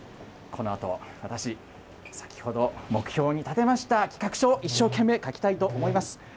このあと、私、先ほど目標に立てました企画書を、一生懸命書きたいと思います。